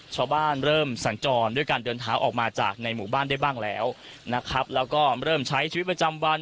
ชาวบ้านเริ่มสัญจรด้วยการเดินเท้าออกมาจากในหมู่บ้านได้บ้างแล้วนะครับแล้วก็เริ่มใช้ชีวิตประจำวัน